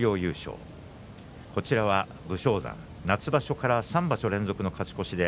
対戦相手、武将山夏場所から３場所連続の勝ち越し。